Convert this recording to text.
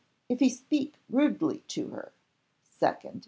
If he speak rudely to her. 2nd.